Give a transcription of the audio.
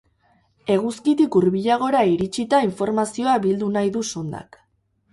Eguzkitik hurbilagora iritsita informazioa bildu nahi du sondak.